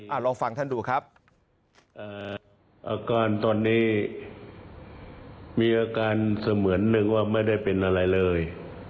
ลองฟังท่านดูครับอาการตอนนี้มีอาการเสมือนหนึ่งว่าไม่ได้เป็นอะไรเลย